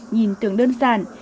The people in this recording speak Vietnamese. nhìn tưởng đơn giản